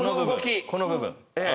この部分。